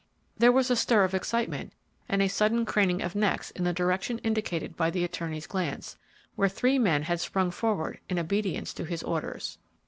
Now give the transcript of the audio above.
There was a stir of excitement and a sudden craning of necks in the direction indicated by the attorney's glance, where three men had sprung forward in obedience to his orders.